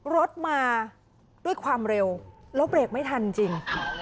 รถมาด้วยความเร็วแล้วเบรกไม่ทันจริง